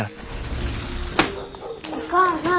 お母さん。